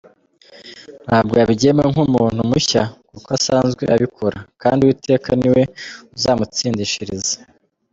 Ntabwo yabigiyemo nk’umuntu mushya kuko asanzwe abikora kandi Uwiteka ni we uzamutsindishiriza.